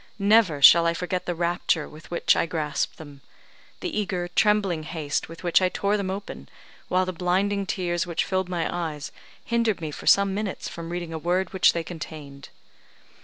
Never shall I forget the rapture with which I grasped them the eager, trembling haste with which I tore them open, while the blinding tears which filled my eyes hindered me for some minutes from reading a word which they contained.